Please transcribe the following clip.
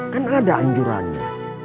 kan ada anjurannya